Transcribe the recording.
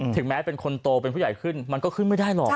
แม้เป็นคนโตเป็นผู้ใหญ่ขึ้นมันก็ขึ้นไม่ได้หรอก